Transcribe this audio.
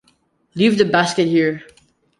Leave the basket here.